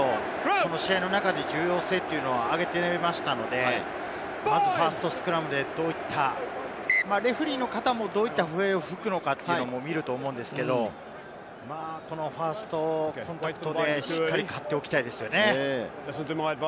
この試合の中で重要性というのを挙げていましたので、まずファーストスクラムでレフェリーの方もどういった笛を吹くのかというのも見ると思うんですけれども、このファーストコンタクトでしっかり勝っておきたいですよね。